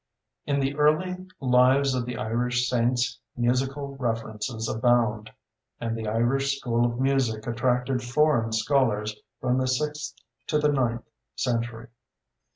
In the early Lives of the Irish Saints musical references abound, and the Irish school of music attracted foreign scholars from the sixth to the ninth century.